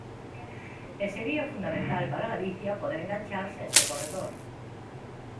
E sería fundamental para Galicia poder engancharse a este corredor.